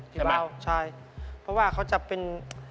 ใช่ไหมใช่เพราะว่าเขาจะเป็น